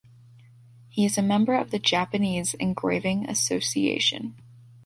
He is a member of the Japanese Engraving Association.